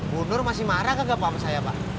bu nur masih marah kagak sama saya pak